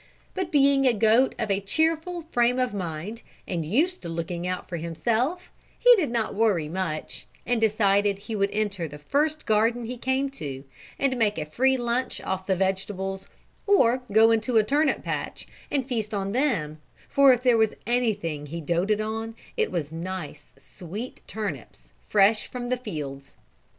But being a goat of a cheerful frame of mind and used to looking out for himself, he did not worry much, and decided he would enter the first garden he came to, and make a free lunch off the vegetables, or go into a turnip patch and feast on them for if there was anything he doted on it was nice, sweet turnips, fresh from the fields.